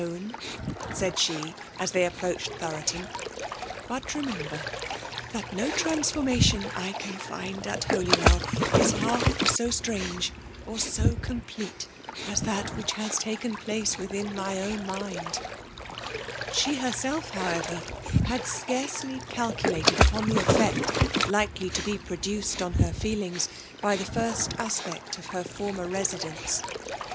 own» * said she« as they approached Thoroton. ''fiat remember that no transformation I can find at Holywell is half so strange or so <:onplete^ %s that which has taken place within my own mind/* Sb^ herself, however; had scarcely caloi* lated upon the effect likely to b6 produced oil her feelings, by the first aspect of her former FisHAht bOMlNATtON. ^49 resklendd.